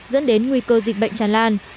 dẫn đến nguy cơ dịch bệnh tràn lan